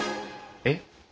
えっ？